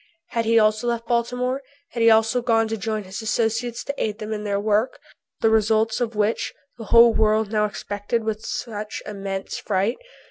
Had he also left Baltimore? Had he also gone to join his associates to aid them in their work, the results of which the whole world now expected with such immense fright?